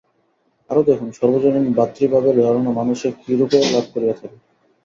আরও দেখুন, সর্বজনীন ভ্রাতৃভাবের ধারণা মানুষে কিরূপে লাভ করিয়া থাকে।